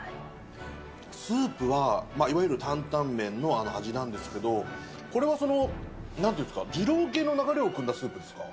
スープは、いわゆる担々麺のあの味なんですけど、これはその、なんというんですか、二郎系の流れをくんだスープですか？